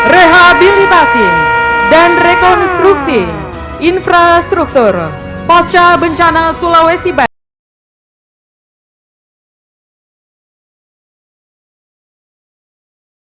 rehabilitasi dan rekonstruksi infrastruktur pasca bencana sulawesi barat